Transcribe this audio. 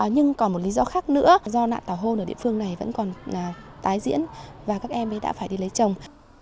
nhưng còn một lý do khác nữa do nạn tảo hôn ở địa phương này vẫn còn tái diễn và các em ấy đã phải đi lấy chồng